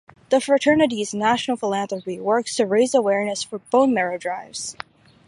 The fraternity's national philanthropy works to raise awareness for bone marrow drives.